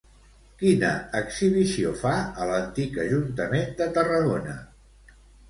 Quina exhibició fa a l'antic Ajuntament de Tarragona?